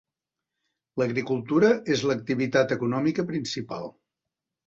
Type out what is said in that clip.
L'agricultura és l'activitat econòmica principal.